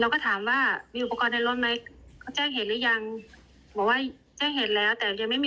บอกว่าเป็นพยาบาลอยู่จุฬิเวช